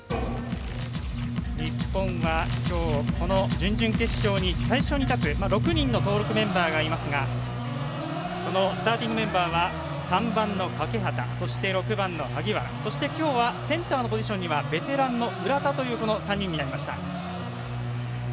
日本はきょうこの準々決勝に最初に立つ、６人の登録メンバーがいますがスターティングメンバーは３番の欠端そして６番の萩原センターのポジションにはベテランの浦田という３人になりました。